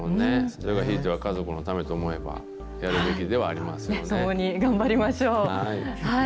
それがひいては家族のためと思え共に頑張りましょう。